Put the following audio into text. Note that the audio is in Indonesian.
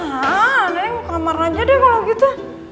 hah neneng kamar aja deh kalau gitu